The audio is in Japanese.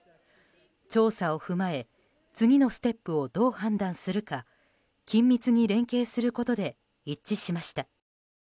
調査を踏まえ次のステップをどう判断するか緊密に連携することで一致しました。